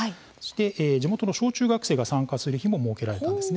地元の小中学生が参加する日も設けられました。